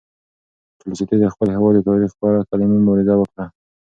تولستوی د خپل هېواد د تاریخ په اړه قلمي مبارزه وکړه.